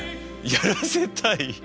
やらせたい？